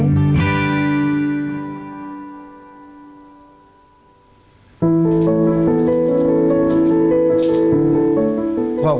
การว่ารูปมันเป็นศิลปะฮัตตกรรมค่ะ